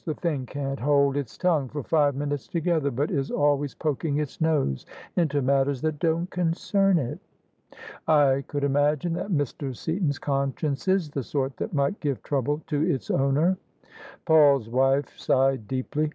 The thing can't hold its tongue for five minutes together, but is always poking its nose into matters that don't concern it." ''I could imagine that Mr. Seaton's conscience is the sort that might give trouble to its owner." Paul's wife sighed deeply.